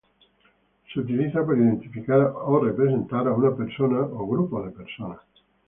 Se utiliza para identificar o representar a una persona o grupo de personas.